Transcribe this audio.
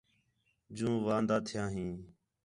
جوں واندا تھیاں ہیں